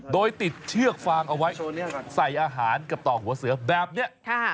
โดยติดเชือกฟางเอาไว้ใส่อาหารกับต่อหัวเสือแบบนี้